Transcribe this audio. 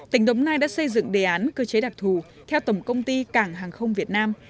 tỉnh đống nai đã xây dựng đề án cơ chế đặc thù theo tổng công ty cảng hàng không việt nam